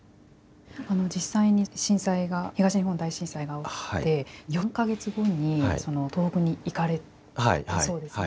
実際に、震災が東日本大震災が起きて４か月後に東北に行かれたそうですね。